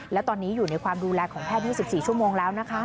และตอนนี้อยู่ในความดูแลของแพทย์๒๔ชั่วโมงแล้วนะคะ